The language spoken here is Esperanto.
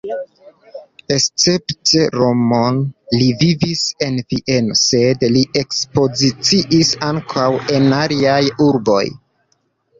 Escepte Romon li vivis en Vieno, sed li ekspoziciis ankaŭ en aliaj urboj.